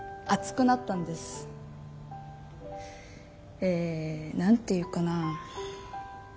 え何て言うかな。